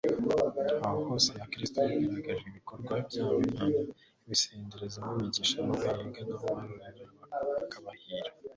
aha hose n'abakristu barahaganje, ibikorwa byabo imana ibisenderezaho imigisha, aho bahinga n'aho bororera hakabahira